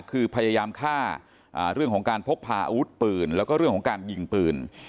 คือพยายามฆ่าเรื่องของการพกพาอาวุธปืนแล้วก็เรื่องของการยิงปืน